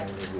yang ini bu